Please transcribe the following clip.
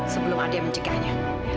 sebelum ada yang menjaganya